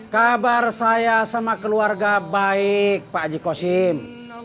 kabar saya sama keluarga baik pak ji kosim